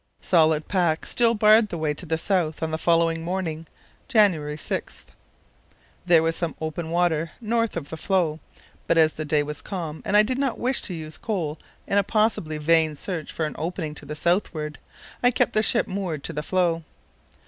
Solid pack still barred the way to the south on the following morning (January 6). There was some open water north of the floe, but as the day was calm and I did not wish to use coal in a possibly vain search for an opening to the southward, I kept the ship moored to the floe.